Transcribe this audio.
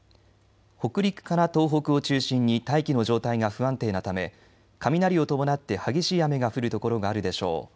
北陸から東北を中心に大気の状態が不安定なため雷を伴って激しい雨が降る所があるでしょう。